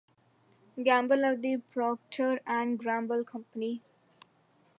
Gamble of the Procter and Gamble company.